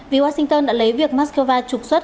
vì washington đã lấy việc moscow trục xuất